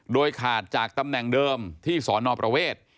โดยขาดจากตำแหน่งเดิมที่สอนอประเวท